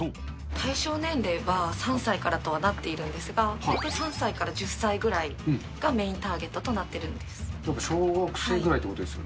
対象年齢は３歳からとはなっているんですが、３歳から１０歳ぐらいがメインターゲットとなっ小学生ぐらいですか。